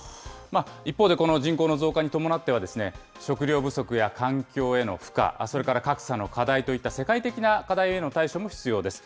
一方で、この人口の増加に伴っては、食料不足や環境への負荷、それから格差の課題といった世界的な課題への対処も必要です。